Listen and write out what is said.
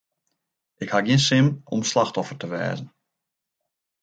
Ik haw gjin sin om slachtoffer te wêze.